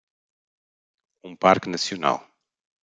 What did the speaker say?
um parque nacional